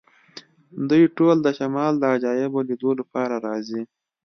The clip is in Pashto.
دوی ټول د شمال د عجایبو لیدلو لپاره راځي